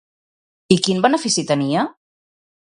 I quin benefici tenia?